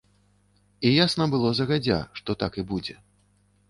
І ясна было загадзя, што так і будзе.